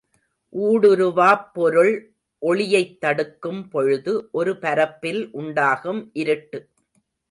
ஊடுருவாப் பொருள் ஒளியைத் தடுக்கும் பொழுது ஒரு பரப்பில் உண்டாகும் இருட்டு.